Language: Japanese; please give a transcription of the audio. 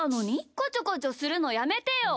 こちょこちょするのやめてよ！